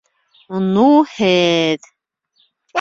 Ну, һеҙ...